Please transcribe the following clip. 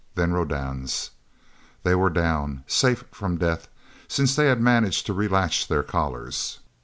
Then Rodan's. They were down safe from death, since they had managed to re latch their collars.